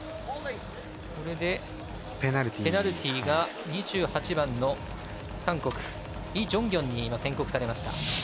これで、ペナルティーが２８番の韓国、イ・ジョンギョンに宣告されました。